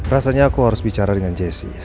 rasanya aku harus bicara dengan jessi